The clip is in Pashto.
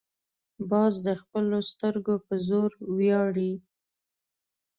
باز د خپلو سترګو پر زور ویاړي